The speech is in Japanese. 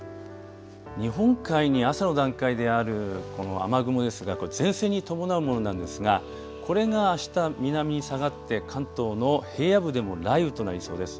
日本海に朝の段階であるこの雨雲ですがこの前線に伴うものなんですがこれがあした南に下がって関東の平野部でも雷雨となりそうです。